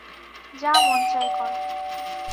যা মন চায় করো।